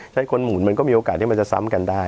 ถ้าคนหมุนมันก็มีโอกาสที่มันจะซ้ำกันได้